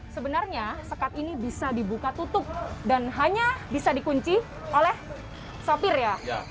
sebenarnya sekat ini bisa dibuka tutup dan hanya bisa dikunci oleh sopir ya